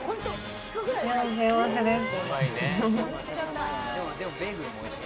や、幸せです。